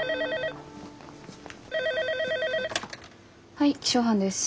☎はい気象班です。